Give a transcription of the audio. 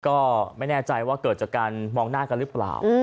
ก็ไม่แน่ใจว่าเกิดจากการมองหน้ากันหรือเปล่า